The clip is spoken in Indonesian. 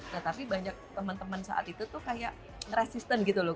nah tapi banyak teman teman saat itu tuh kayak nge resisten gitu loh